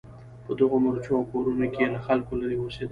په دغو مورچو او کورونو کې یې له خلکو لرې اوسېدل.